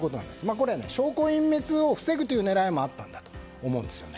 これは証拠隠滅を防ぐ狙いもあったんだと思うんですよね。